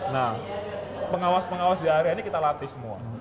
nah pengawas pengawas di area ini kita latih semua